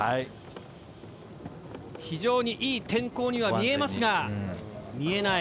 非常にいい天候には見えますが見えない